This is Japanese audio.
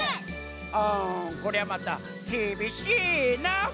あこりゃまたきびしいなあ。